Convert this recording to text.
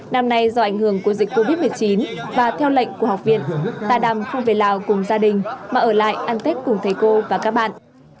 năm nay do ảnh hưởng của dịch covid một mươi chín và theo lệnh của học viện ta đàm không về lào cùng gia đình mà ở lại ăn tết cùng thầy cô và các bạn